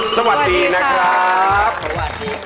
สวัสดีครับ